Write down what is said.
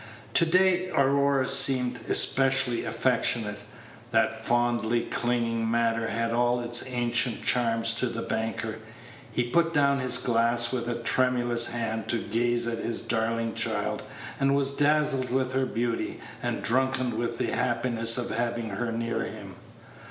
To day Aurora seemed especially affectionate. That fondly clinging manner had all its ancient charm to the banker. He put down his glass with a tremulous hand to gaze at his darling child, and was dazzled with her beauty, and drunken with the happiness of having her near him.